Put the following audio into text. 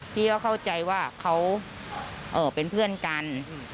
พี่ก็เข้าใจว่าเขาเป็นเพื่อนกัน